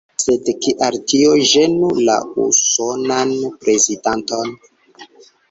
Sed kial tio ĝenu la usonan prezidanton?